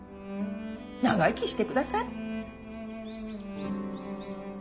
長生きしてください。